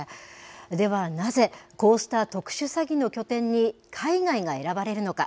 ではなぜ、こうした特殊詐欺の拠点に海外が選ばれるのか。